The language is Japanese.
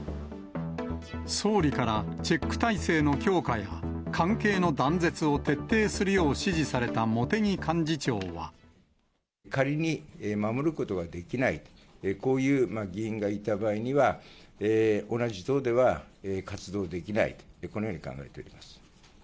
総理から、チェック体制の強化や関係の断絶を徹底するよう指示された茂木幹仮に守ることができない、こういう議員がいた場合には、同じ党では活動できないと、このように考えております。